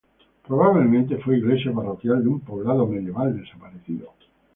Probablemente, fue iglesia parroquial de un poblado medieval desaparecido.